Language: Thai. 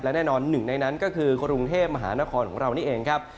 และแน่นอนหนึ่งในนั้นก็คือกรุงเทพมหานครของเรานี่เองครับ